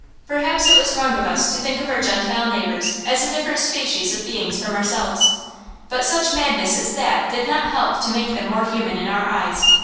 Perhaps it was wrong of us to think of our Gentile neighbors as a different species of beings from ourselves, but such madness as that did not help to make them more human in our eyes.